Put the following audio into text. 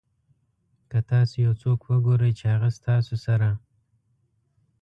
که تاسو یو څوک وګورئ چې هغه ستاسو سره.